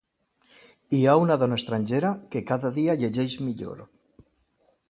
Hi ha una dona estrangera que cada dia llegeix millor